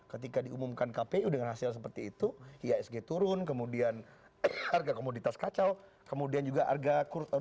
ketika diumumkan kpu dengan hasil seperti itu ihsg turun kemudian harga komoditas kacau kemudian juga harga